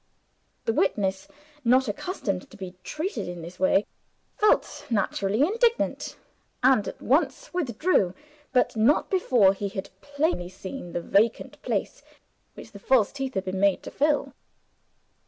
The witness, not accustomed to be treated in that way, felt naturally indignant, and at once withdrew but not before he had plainly seen the vacant place which the false teeth had been made to fill.